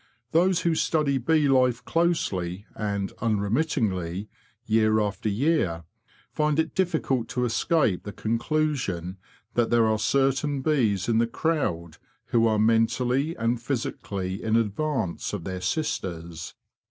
Those who study bee life closely and unremittingly, year after year, find it difficult to escape the con clusion that there are certain bees in the crowd who are mentally and physically in advance of their sisters.